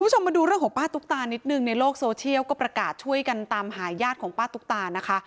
คุณผู้ชมมาดูเรื่องของป้าตุ๊กตานิดนึงในโลกโซเชียลก็ประกาศช่วยกันตามหาญาติของป้าตุ๊กตานะคะ